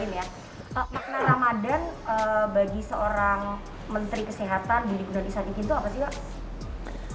makna ramadhan bagi seorang menteri kesehatan yang digunakan saat itu apa sih pak